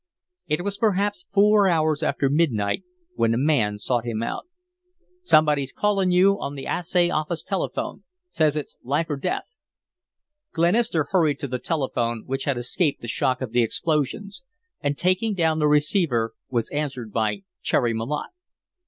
It was perhaps four hours after midnight when a man sought him out. "Somebody's callin' you on the Assay Office telephone says it's life or death." Glenister hurried to the building, which had escaped the shock of the explosions, and, taking down the receiver, was answered by Cherry Malotte.